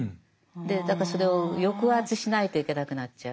だからそれを抑圧しないといけなくなっちゃう。